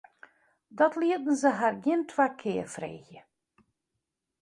Dat lieten se har gjin twa kear freegje.